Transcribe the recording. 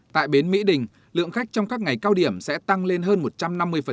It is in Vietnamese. tại bến mỹ đình lượng khách trong các ngày cao điểm sẽ tăng lên hơn một trăm năm mươi